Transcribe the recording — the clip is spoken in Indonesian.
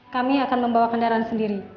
kami akan membawa kendaraan sendiri